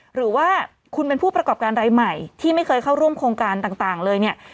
หรือว่าคุณเป็นผู้ประกอบการรายใหม่ที่ไม่เคยเข้าร่วมโครงการต่างเลยเนี่ย